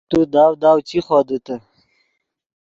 تو داؤ داؤ چی خودیتے